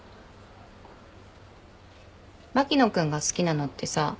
牧野君が好きなのってさ